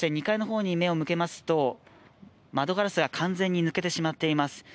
２階の方に目を向けますと窓ガラスが完全に抜けてしまっています。